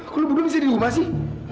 kok lo belum bisa di rumah sih